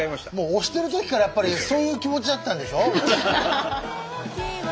押してるときからやっぱりそういう気持ちだったんでしょ？